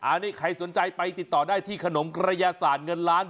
อันนี้ใครสนใจไปติดต่อได้ที่ขนมกระยาศาสตร์เงินล้าน